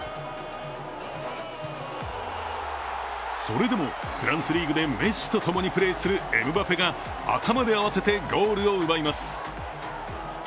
それでもフランスリーグでメッシと共にプレーするエムバペが頭で合わせてゴールを奪います。